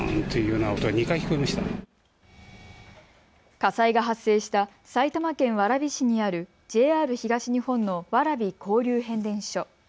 火災が発生した埼玉県蕨市にあるＪＲ東日本の蕨交流変電所。